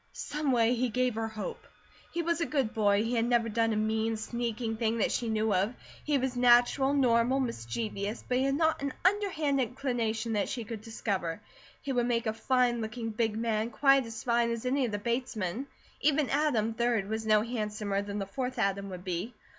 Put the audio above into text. Someway he gave her hope. He was a good boy, he had never done a mean, sneaking thing that she knew of. He was natural, normal, mischievous; but he had not an underhand inclination that she could discover. He would make a fine looking, big man, quite as fine as any of the Bates men; even Adam, 3d, was no handsomer than the fourth Adam would be.